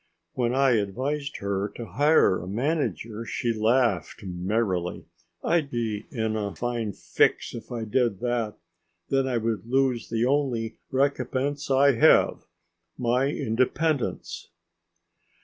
When I advised her to hire a manager she laughed merrily: "I'd be in a fine fix if I did that! Then I would lose the only recompense I have: my independence!"